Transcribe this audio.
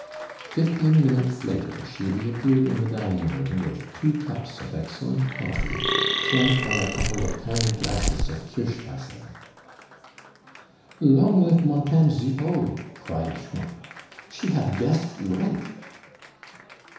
Fifteen minutes later she reappeared in the dining room with two cups of excellent coffee, flanked by a couple of tiny glasses of kirschwasser. "Long lif Montame Zipod!" cried Schmucke; "she haf guessed right!"